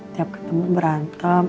tiap ketemu berantem